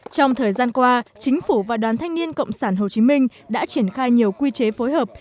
trong thời gian qua chính phủ và đoàn thanh niên cộng sản hồ chí minh đã triển khai nhiều quy chế phối hợp